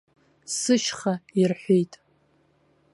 Сышьха ирҳәеит.